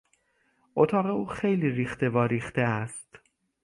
اتاق او خیلی ریخته واریخته است.